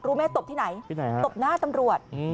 รู้ไหมตบที่ไหนตบหน้าตำรวจ